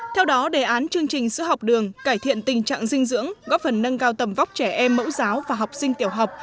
theo đó đề án chương trình sữa học đường cải thiện tình trạng dinh dưỡng góp phần nâng cao tầm vóc trẻ em mẫu giáo và học sinh tiểu học